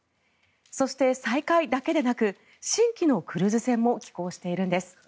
そして、再開だけでなく新規のクルーズ船も寄港しているんです。